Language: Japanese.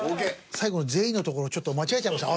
最後の全員のところちょっと間違えちゃいました